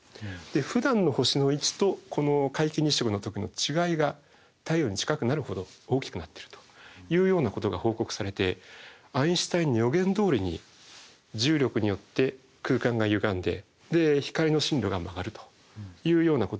ふだんの星の位置とこの皆既日食の時の違いが太陽に近くなるほど大きくなってるというようなことが報告されてアインシュタインの予言どおりに重力によって空間がゆがんで光の進路が曲がるというようなことが報告されて。